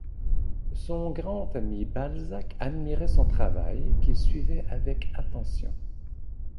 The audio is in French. Son grand ami Balzac admirait son travail, qu'il suivait avec attention.